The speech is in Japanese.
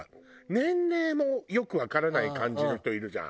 年齢もよくわからない感じの人いるじゃん。